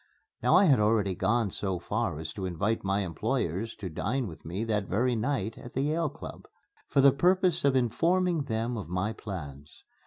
Now I had already gone so far as to invite my employers to dine with me that very night at the Yale Club for the purpose of informing them of my plans.